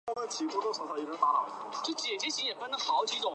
跑去吃一间古色古香的店